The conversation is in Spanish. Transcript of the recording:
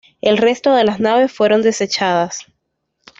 El resto de las naves fueron desechadas.